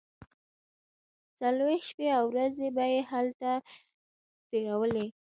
څلوېښت شپې او ورځې به یې هلته تیرولې.